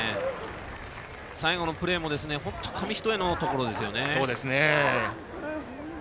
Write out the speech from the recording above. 最後のプレーも紙一重のところですよね。